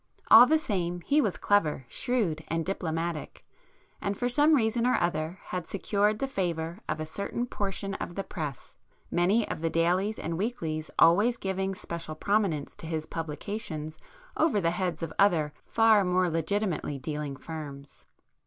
All the same, he was clever, shrewd and diplomatic, and for some reason or other, had secured the favour of a certain portion of the press, many of the dailies and weeklies always giving special prominence to his publications over the heads of other far more legitimately dealing firms.